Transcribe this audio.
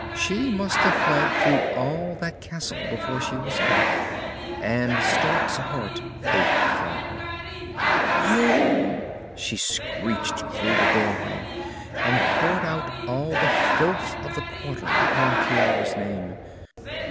She must have fled through all that castle before she was caught, and Stark's heart ached for her. "You!" she shrieked through the doorway, and poured out all the filth of the quarter upon Ciara's name.